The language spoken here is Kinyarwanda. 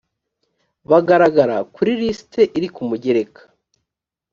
bagaragara kuri liste iri ku mugereka